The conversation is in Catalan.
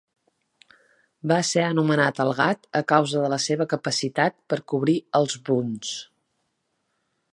Va ser anomenat "el gat" a causa de la seva capacitat per cobrir els bunts.